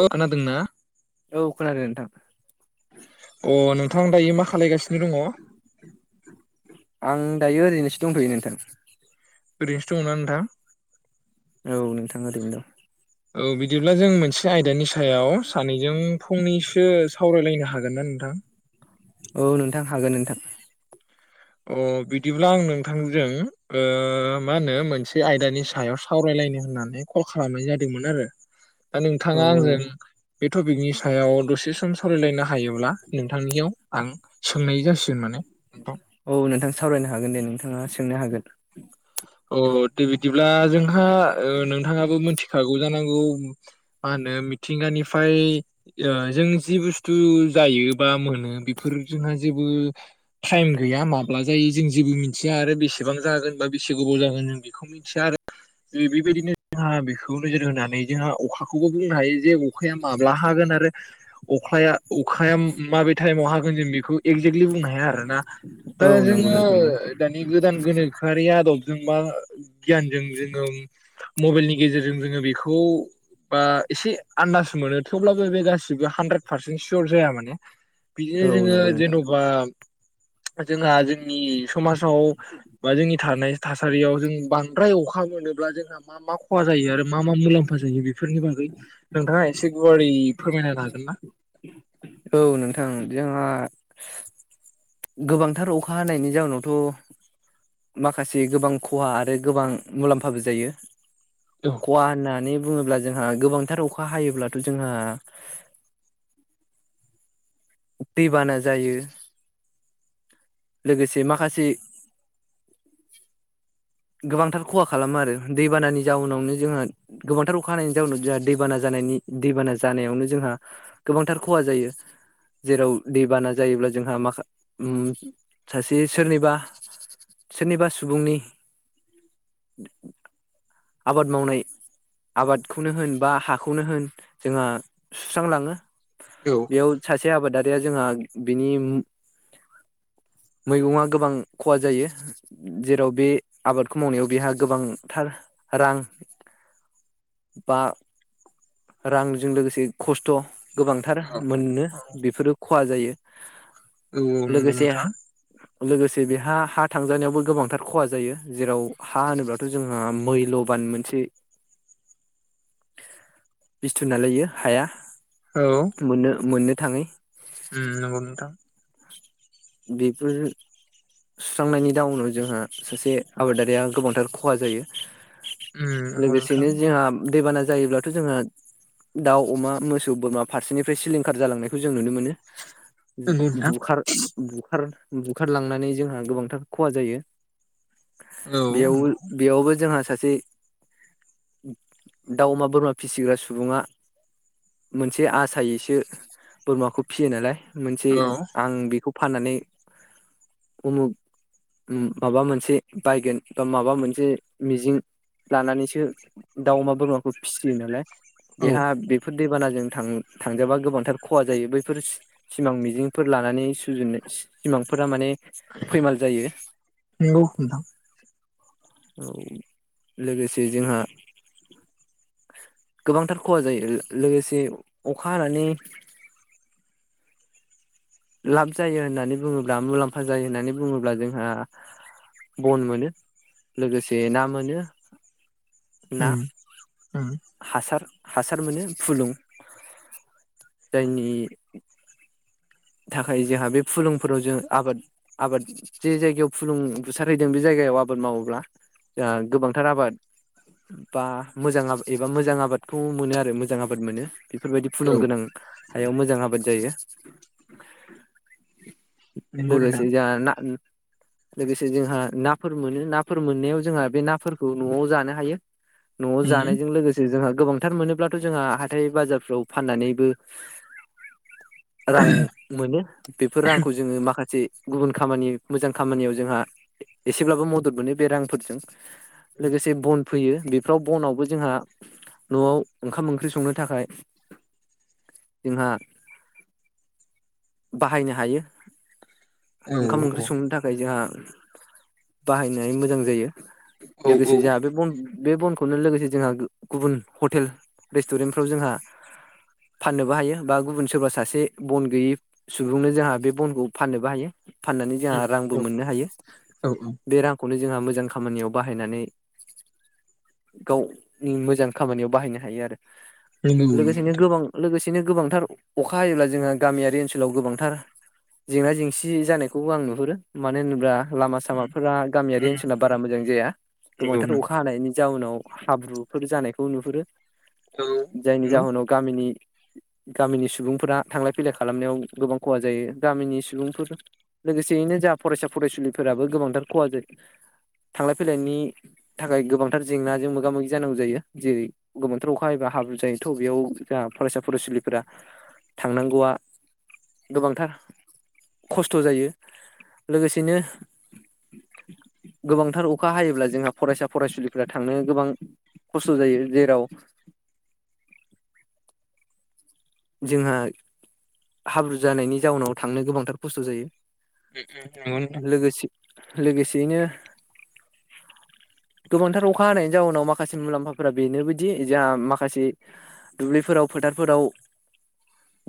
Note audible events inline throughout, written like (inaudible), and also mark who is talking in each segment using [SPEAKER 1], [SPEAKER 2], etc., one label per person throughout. [SPEAKER 1] खानादोंना
[SPEAKER 2] औ खोनादों नोंथां
[SPEAKER 1] अ नोंथां दायो मा खालायगासिनो दङ
[SPEAKER 2] आं दायो ओरैनोसो दंथ'यो नोंथां
[SPEAKER 1] ओरैनोसो दं ना नोंथां
[SPEAKER 2] औ नोंथां ओरैनो दं
[SPEAKER 1] औ बिदिब्ला जों मोनसे आयदानि सायाव सानैजों फंनैसो सावरायलायनो हागोन ना नोंथां
[SPEAKER 2] औ नोंथां हागोन नोंथां
[SPEAKER 1] अ बिदिब्ला आं नोंथांजों मा होनो मोनसे आयदानि सायाव सावरायलायनो होननानै कल खालामनाय जादोंमोन आरो दा नोंथाङा
[SPEAKER 2] औ
[SPEAKER 1] आंजों बे टपिकनि सायाव दसे सम सावरायलायनो हायोब्ला नोंथांनियाव आं सोंनाय जासिगोन माने नोंथां
[SPEAKER 2] औ नोंथां सावरायनो हागोन दे नोंथाङा सोंनो हागोन
[SPEAKER 1] अ बिदिब्ला जों नोंथाङा ओ नोंथाङाबो मिथिखागौ जानांगौ मा होनो मिथिंगानिफ्राय जों जेबुसथु जायो बा मोनो बेफोर जोंहा जेबो टाइम गैया माब्ला जायो जों जेबो मोनथिया आरो बेसेबां जागोन एसे गोबाव जागोन जों बेखौ मिथिया आरो बेबायदिनो जोंहा बेखौ नोजोर होनानै जोंहा अखाखौबो बुंनो हायो जे अखाया माब्ला हागोन आरो अखाया अखाया माबे टाइमाव हागोन जों बेखौ एगजेक्लि बुंनो हाया आरोना दा
[SPEAKER 2] औ नंगौ
[SPEAKER 1] जोङो
[SPEAKER 2] नोंथां
[SPEAKER 1] दानि गोदान गोनोखोआरिया जों मा गियानजों जोङो मबिलनि गेजेरजों जोङो बेखौ बा एसे आनदाज मोनो थेवब्लाबो बे गासिबो हानद्रेद पारसेन्ट सियर जाया माने
[SPEAKER 2] औ
[SPEAKER 1] बिदिनो
[SPEAKER 2] नंगौ
[SPEAKER 1] जोङो
[SPEAKER 2] नोंथां
[SPEAKER 1] जेन'बा जोंहा जोंनि समाजाव बा जोंनि थानाय थासारियाव जों बांद्राय अखा मोनोब्ला जोंहा मा मा खहा जायो आरो मा मा मुलाम होफाजायो बे बेफोरनि बागै नोंथाङा एसे गुवारै फोरमायनो हागोन ना?
[SPEAKER 2] औ नोंथां जोंहा गोबांथार अखा हानायनि जाउनावथ' माखासे गोबां खहा आरो गोबां मुलाम्फाबो जायो।
[SPEAKER 1] औ
[SPEAKER 2] खहा होननानै बुङोब्ला जोंहा गोबांथार अखा हायोब्लाथ' जोंहा दैबाना जायो। लोगोसे माखासे गोबांथार खहा खालामो आरो दैबानानि जाउनावनो जोंहा गोबांथार अखा हानायनि जाउनाव जोंहा दैबाना जानायनि दैबाना जानायावनो जोंहा गोबांथार खहा जायो जेराव दैबाना जायोब्ला जोंहा माखा सासे सोरनिबा सोरनिबा सुबुंनि बि (unintelligible) आबाद मावनाय आबादखौनो होन बा हाखौनो होन जोंहा सुस्रांलाङो।
[SPEAKER 1] औ
[SPEAKER 2] बेयाव सासे आबादारि जोंहा बिनि मैगङा गोबां खहा जायो जेराव बे आबादखौ मावनायाव बेहा गोबांथार रां बा रांजों लोगोसे खस्थ' गोबांथार मोनो बेफोरो खहा जायो।
[SPEAKER 1] औ औ नंगौ
[SPEAKER 2] लोगोसे
[SPEAKER 1] नोंथां
[SPEAKER 2] लोगोसे बेहा हा थांजानायावबो गोबांथार खहा जायो जेराव हा होनोबथ' जोंहा मैल' गोबान मोनसे बस्थु नालाय हाया
[SPEAKER 1] औ
[SPEAKER 2] मोनो मोनो थाङै
[SPEAKER 1] उम नंगौ नोंथां
[SPEAKER 2] बेफोर सुस्रांनायनि दउनाव जोंहा सासे आबादारिया गोबांथार खहा जायो।
[SPEAKER 1] उम नंगौ नोंथां
[SPEAKER 2] लोगोसेनो जोंहा दैबाना जायोब्लाथ' जोंहा दाउ अमा मोसौ बोरमा फारसेनिफ्राय सिलिंखार जालांनायखौ जों नुनो मोनो।
[SPEAKER 1] नंगौ नोंथां
[SPEAKER 2] बुखार बुखार बुखारलांनानै जोंहा गोबांथार खहा जायो।
[SPEAKER 1] औ
[SPEAKER 2] बेयाव
[SPEAKER 1] नंगौ
[SPEAKER 2] बेयावबो जोंहा सासे दाउ अमा बोरमा फिसिग्रा सुबुङा मोनसे आसायैसो बोरमाखौ फिसियो नालाय मोनसे
[SPEAKER 1] औ
[SPEAKER 2] आं बेखौ फाननानै उमुख माबा मोनसे बायगोन बा माबा मोनसे मिजिं लानानैसो दाउ अमा बोरमाखौ फिसियो नालाय
[SPEAKER 1] औ
[SPEAKER 2] बेहा बेफोर दैबानाजों थां थांजाबा गोबांथार खहा जायो बैफोर सिमां मिजिंफोर लानानै सुजुनो सिमांफोरा माने फैमाल जायो।
[SPEAKER 1] नंगौ नोंथां
[SPEAKER 2] औ लोगोसे जोंहा गोबांथार खहा जायो लोगोसे अखा हानानै लाब जायो होननानै बुङोब्ला मुलाम्फा जायो होननानै बुङोब्ला जोंहा बन मोनो लोगोसे ना मोनो। ना
[SPEAKER 1] उम उम
[SPEAKER 2] हासार हासार मोनो फुलुं जायनि थाखाय जोंहा बे फुलुंफोराव जों आबाद आबाद जे जायगायाव फुलुं बुसारहैदों बे जायगायाव आबाद मावोब्ला जोंहा गोबांथार आबाद बा मोजां एबा मोजां आबादखौ मोनो आरो मोजां आबाद मोनो। बेफोरबायदि
[SPEAKER 1] औ
[SPEAKER 2] फुलुंगोनां हायाव मोजां आबाद जायो। (inaudible) (inaudible)
[SPEAKER 1] नंगौ नोंथां
[SPEAKER 2] लोगोसे जाहा ना लोगोसे जोंहा नाफोर मोनो नाफोर मोननायाव जोंहा बे नाफोरखौ न'आव जानो हायो। न'आव
[SPEAKER 1] उम
[SPEAKER 2] जानायजों लोगोसे जोंहा गोबांथार मोनोब्लाथ' जोंहा हाथाइ बाजारफ्राव फाननानैबो रां मोनो बेफोर रांखौ जोंङो माखासे गुबुन खामानि मोजां खामानियाव जोंहा एसेब्लाबो मदद मोनो बे रांफोरजों। लोगोसे बनफो फैयो बेफ्राव बनावबो जोंहा न'आव ओंखाम ओंख्रि संनो थाखाय जोंहा बाहायनो हायो।
[SPEAKER 1] औ
[SPEAKER 2] ओंखाम
[SPEAKER 1] औ
[SPEAKER 2] ओंख्रि संनो थाखाय जोंहा बाहायनाय मोजां जायो।
[SPEAKER 1] औ
[SPEAKER 2] लोगोसे
[SPEAKER 1] उम
[SPEAKER 2] जाहा बे बन बे बनखौनो लोगोसे जोंहा गुबुन हटेल रेस्टुरेन्टफ्राव जोंहा फाननोबो हायो बा गुबुन सोरबा सासे बन गैयै सुबुंनो जोंहा बे बनखौ फाननोबो हायो। फाननानै जोंहा रांबो
[SPEAKER 1] औ
[SPEAKER 2] मोननो हायो
[SPEAKER 1] औ औ
[SPEAKER 2] बे रांखौनो जोंहा मोजां खामानियाव बाहायनानै गावनि मोजां खामानियाव बाहायनो हायो आरो।
[SPEAKER 1] नंगौ नंगौ
[SPEAKER 2] लोगोसेनो
[SPEAKER 1] नोंथां
[SPEAKER 2] गोबां लोगोसे दिनो गोबांथार अखा हायोब्ला जोंहा गामियारि ओनसोलाव गोबांथार जेंना जेंसि जानायखौबो आं नुहुरो मानो होनोब्ला लामा
[SPEAKER 1] उम
[SPEAKER 2] सामाफोरा
[SPEAKER 1] उम
[SPEAKER 2] गामियारि ओनसोला बारा मोजां जाया
[SPEAKER 1] नंगौ
[SPEAKER 2] गोबांथार
[SPEAKER 1] नंगौ
[SPEAKER 2] अखा हानायनि जाउनाव हाब्रुफोर जानायखौ नुहुरो।
[SPEAKER 1] औ नंगौ
[SPEAKER 2] जायनि
[SPEAKER 1] उम
[SPEAKER 2] जाहोनाव गामिनि गामिनि सुबुंफोरा थांलाय फैलाय खालामनायाव गोबां खहा जायो गामिनि सुबुंफोर लोगोसेयैनो जा फरायसा फरायसुलिफोराबो गोबांथार खहा जायो थांलाय फैलायनि थाखाय गोबांथार जेंनाजों मोगा मोगि जानांगौ जायो जेरै गोबांथार अखा हायोबा हाब्रु जायोथ' बेयाव जा फरायसा फरायसुलिफोरा थांनांगौआ गोबांथार खस्थ' जायो लोगोसेनो गोबांथार अखा हायोब्ला जोंहा फरायसा फरायसुलिफोरा थांनो गोबां खस्थ' जायो जेराव जोंहा हाब्रु जानायनि जाउनाव थांनो गोबांथार खस्थ' जायो।
[SPEAKER 1] उम उम नंगौ नोंथां
[SPEAKER 2] लोगोसे लोगोसेयैनो गोबांथार अखा हानायनि जाउनाव माखासे मुलाम्फाफोरा बेनोबोदि जोंहा माखासे दुब्लिफोराव फोथारफोराव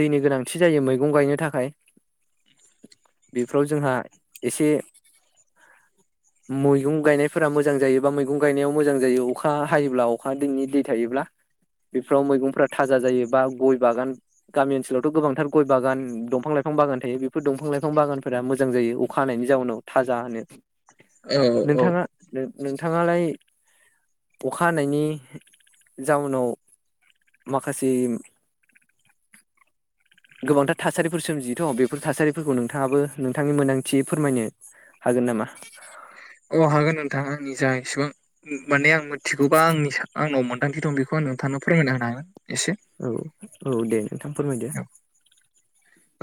[SPEAKER 2] दैनि गोनांथि जायो मैगं गायनो थाखाय बेफोराव जोंहा एसे मैगं गाइनायफोरा मोजां बा मैगं गाइनायाव मोजां जायो अखा हायोब्ला अखानि दै थायोब्ला बेफोराव मैगंफोरा थाजा जायो बा गय बागान गामि ओनसोलावथ' गोबांथार गय बागान दंफां लाइफां बागान थायो बेफोर दंफां लाइफां बागानफोरा मोजां जायो अखा हानायनि जाउनाव थाजानो
[SPEAKER 1] औ औ
[SPEAKER 2] नोंथांङा नो नों नोंथाङालाय अखा हानायनि जाउनाव माखासे गोबांथार थासारिफोर सोमजियोथ' बेफोर थासारिफोरखौ नोंथांङाबो नोंथांनि मोन्दांथियै फोरमायनो हागोन नामा?
[SPEAKER 1] अ हागोन नोंथां आंनि जा इसिबां माने आं थिगौबा आंनि सा आंनाव मोनदांथि दं बेखौ आं नोंथांनो फोरमायना होनो हागोन एसे
[SPEAKER 2] औ औ दे नोंथां फोरमायदो
[SPEAKER 1] औ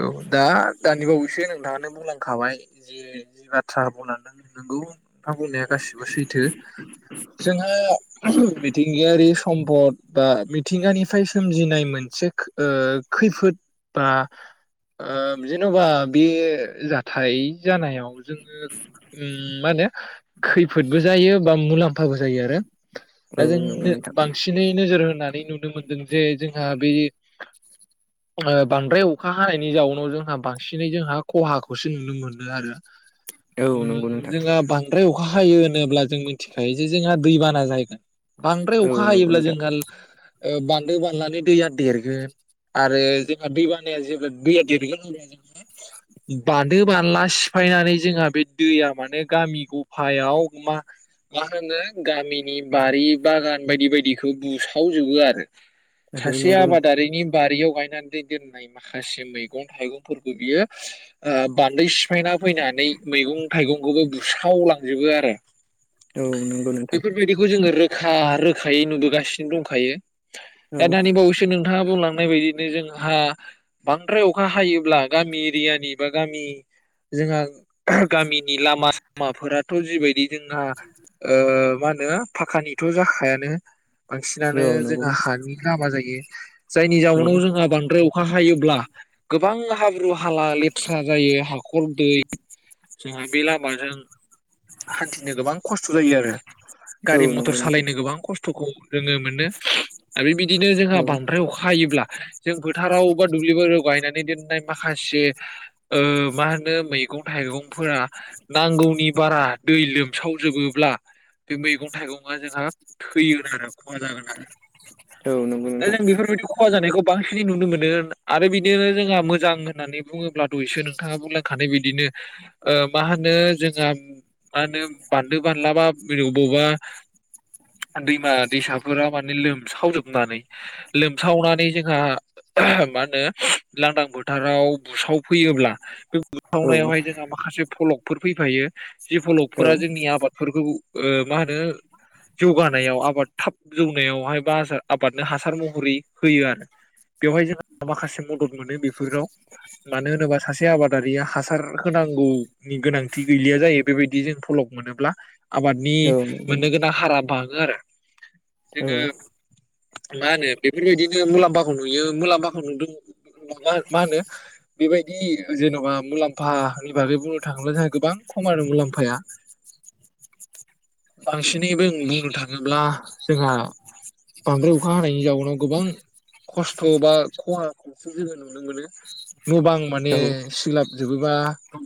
[SPEAKER 1] औ दा दानि बावैसो नोंथाङानो बुंलांखाबाय जे जि बाथ्रा बुंलांदों नोंगौ नोंथां बुंनाया गासिबो सैथो जोंहा मिथिंगायारि सम्पद बा मिथिंगानिफ्राय सोमजिनाय मोनसे ओ खैफोद बा ओ जेन'बा बे जाथाय जानायाव जोङो मा होनो खैफोदबो जायो बा मुला म्फाबो जायो आरो दा
[SPEAKER 2] औ
[SPEAKER 1] जों
[SPEAKER 2] नंगौ नोंथां
[SPEAKER 1] बांसिनै नोजोर होनानै नुनो मोनदों जे जोंहा बे बांद्राय अ खा हानायनि जाउनाव जोंहा बांसिनै जोंहा खहाखौसो नुनो मोनो आरो
[SPEAKER 2] औ नंगौ नोंथां
[SPEAKER 1] जोंहा बांद्राय अखा हायो होनोब्ला जों मिथिखायो जे जोंहा दैबाना जागोन बांद्राय
[SPEAKER 2] औ
[SPEAKER 1] अखा
[SPEAKER 2] नंगौ
[SPEAKER 1] हायोब्ला
[SPEAKER 2] नोंथां
[SPEAKER 1] जोंहा ओ बान्दो बानलानि दैया देरगोन आरो जोंहा दैबा नाया (inaudible) बान्दो बानला सिफायनानै जोंहा बे दैया माने गामि गफायाव मा मा होनो गामिनि बारि बागान बायदि बायदिखौ बुसावजोबो आरो सासे आबादारिनि बारियाव गायनानै दै दोननाय माखासे मैगं थाइगंफोरखौ बियो ओ बान्दो सिफायना फैनानै मैगं थाइगंखौबो बुस्रावलांजोबो आरो
[SPEAKER 2] औ नंगौ औ नंगौ नोंथां
[SPEAKER 1] बेफोरबायदिखौ जोङो रोखा रोखायै नुबोगासिनो दंखायो
[SPEAKER 2] औ
[SPEAKER 1] दा दानि बावैसो नोंथाङा बुंलां नाय बायदिनो जोंहा बांद्राय अखा हायोब्ला गामि एरियानि बा गामि जोंहा गामिनि लामा माफोराथ' जिबायदि जोंहा मा हो नो फाखानिथ' जाखायानो बांसिनानो
[SPEAKER 2] औ नंगौ
[SPEAKER 1] जोंहा हानि लामा जायो जायनि
[SPEAKER 2] औ
[SPEAKER 1] जाउनाव जोंहा बांद्राय अखा हायो ब्ला गोबां हा ब्रु हाला लेथ्रा जायो हाखर दै जोंहा बे लामाजों हान्थिनो गोबां खस्थ' जायो आरो
[SPEAKER 2] औ
[SPEAKER 1] गारि मथर
[SPEAKER 2] नंगौ नोंथां
[SPEAKER 1] सालायनो गोबां खस्थ'खौ (unintelligible) मोनदो आरो बेबायदिनो
[SPEAKER 2] औ
[SPEAKER 1] जोंहा बांद्राय अखा हायोब्ला जों फोथाराव दुब्लि बारियाव गायनानै (unintelligible) माखासे मा होनो मैगं थाइगंफोरा नांगौनि बारा दै लोम सावजोबोब्ला। बे मैगं थाइगं आ जोंहा थैयोन आरो खहा जागोन आरो नोंथां
[SPEAKER 2] औ नंगौ
[SPEAKER 1] दा
[SPEAKER 2] नोंथां
[SPEAKER 1] जों बेफोरबायदि खहा जानायखौ बांसिनै नुनो मोनो। आरो बिदिनो जोंहा मोजां होननानै बुङोब्ला दहायसो नोंथाङा बुंलांखानाय बिदिनो मा होनो जोंहा मा होनो बान्दो बानलाबा बबावबा दैमा दैसाफोरा माने लोमसावजोबनानै लोमसावनानै जोंहा लांदां फोथाराव बुसाव फैयोब्ला? (unintelligible)
[SPEAKER 2] औ औ
[SPEAKER 1] जोंहा माखासे फलं फोर फैफायो जि
[SPEAKER 2] औ
[SPEAKER 1] फलकफोरा
[SPEAKER 2] औ
[SPEAKER 1] जोंनि आबादफोरखौ। मा होनो जौगा नायाव आबाद थाब जौनायावहाय बार आबादनो हासार महरै होयो आरो बेवहाय जोंहा माखासे मदद मोनो बेफोराव मानो होनोबा सासे आबादारिया हासार होनांगौनि गोनांथि गैलिया जायो बेबायदि जों फलक मोनोब्ला। आबादनि मोननो गोनां हारा बाग आरो जोङो मा होनो बेफोरबायदिनो मुलाम्फाखौ नुयो। मुलाम्फा (unintelligible) मा होनो बेबायदि जेन'बा मुलाम्फानि बागै बुंनो थाङोब्ला जोंहा गोबां खम आरो मुलाम्फाया। बांसिनैबो बुंनो थाङोब्ला जोंहा बांद्राय अखा हानायनि जाउनाव गोबां खस्थ' बा खहाखौसो जोङो नुनो मोनो। न बां माने सिलाप जोबोबा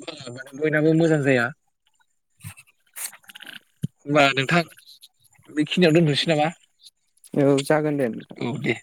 [SPEAKER 1] मे बयनाबो मोजां जाया होनबा नोंथां बेखिनियाव दोनथ'नोसै नामा।
[SPEAKER 2] औ जागोन दे
[SPEAKER 1] औ दे